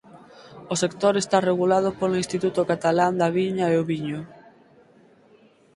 O sector está regulado polo Instituto Catalán da Viña e o Viño.